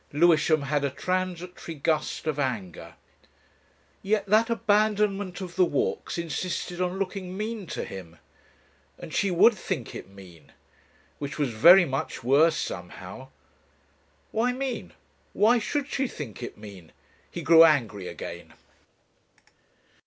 Lewisham had a transitory gust of anger. Yet that abandonment of the walks insisted on looking mean to him. And she would think it mean. Which was very much worse, somehow. Why mean? Why should she think it mean? He grew angry again.